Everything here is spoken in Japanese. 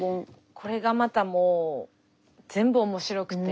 これがまたもう全部面白くて。